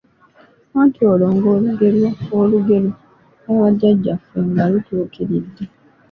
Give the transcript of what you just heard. Anti olwo ng’olugero lwa Bajjajjaffe nga lutuukiridde